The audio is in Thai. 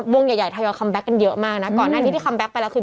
วงใหญ่ใหญ่ไทยอยด์คัมแบ็คกันเยอะมากน่ะก่อนหน้านี้ที่คัมแบ็คไปแล้วคือ